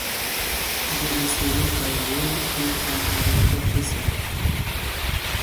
Originally from Frattamaggiore, Lupoli began his footballing career with Italian side Parma.